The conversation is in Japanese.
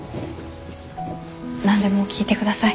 何でも聞いてください。